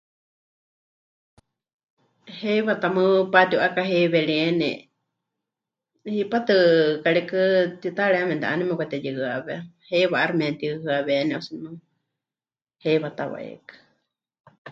Heiwa tamɨ́ patiu'akaheiweríeni, hipátɨ karikɨ tiitayari ya memɨte'ánene mepɨkateyuhɨawé, heiwa 'aixɨ matiuhɨaweni o si no, heiwa ta waikɨ.